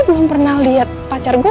bentar bentar gue cari dulu